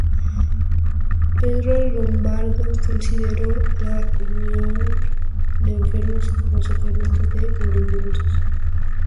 Pedro Lombardo consideró la unción de enfermos como sacramento de moribundos.